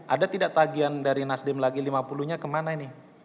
ada tidak tagian dari nasdem lagi lima puluh nya kemana ini